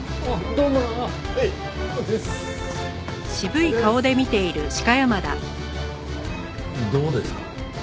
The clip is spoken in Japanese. どうですか？